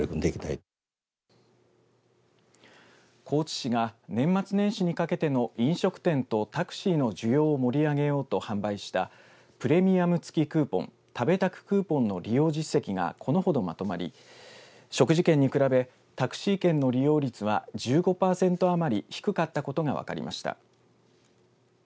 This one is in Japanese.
高知市が年末年始にかけての飲食店とタクシーの需要を盛り上げようと販売したプレミアム付きクーポン食べタククーポンの利用実績がこのほどまとまり食事券に比べ、タクシー券の利用率は１５パーセント余り低くかったことが分かりました。